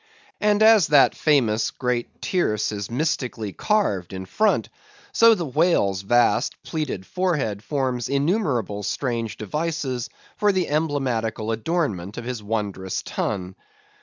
And as that famous great tierce is mystically carved in front, so the whale's vast plaited forehead forms innumerable strange devices for the emblematical adornment of his wondrous tun.